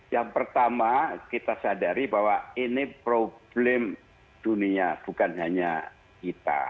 yang pertama kita sadari bahwa ini problem dunia bukan hanya kita